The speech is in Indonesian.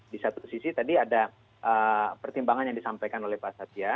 di satu sisi tadi ada pertimbangan yang disampaikan oleh pak satya